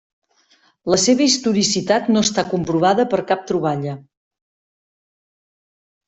La seva historicitat no està comprovada per cap troballa.